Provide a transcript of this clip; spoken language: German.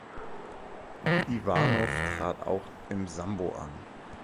Iwanow trat auch im Sambo an.